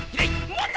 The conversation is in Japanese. もっと。